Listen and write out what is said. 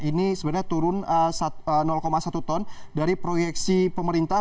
ini sebenarnya turun satu ton dari proyeksi pemerintah